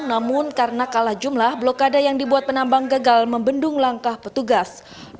namun karena kalah jumlah blokade yang dibuat penambang gagal membendung langkah petugas